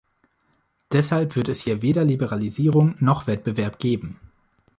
Deshalb wird es hier weder Liberalisierung noch Wettbewerb geben.